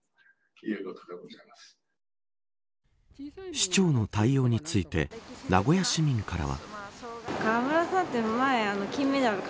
市長の対応について名古屋市民からは。